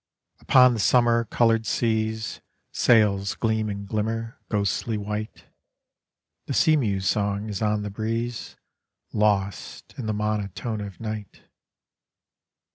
Upon the summer colored seas Sails gleam and glimmer ghostly white, The sea mew's song is on the breeze lost in the monotone of night.